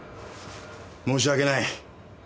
申し訳ない。